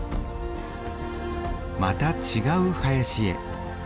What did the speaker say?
また違う林へ。